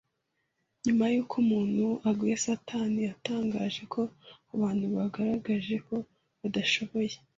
Nyuma y’uko umuntu aguye, Satani yatangaje ko abantu bagaragaje ko badashoboye